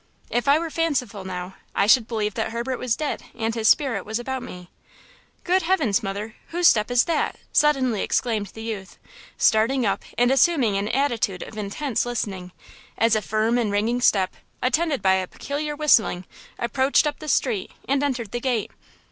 If I were fanciful, now, I should believe that Herbert was dead and his spirit was about me. Good heavens, mother, whose step is that?" suddenly exclaimed the youth, starting up and assuming an attitude of intense listening, as a firm and ringing step, attended by a peculiar whistling, approached up the street and entered the gate.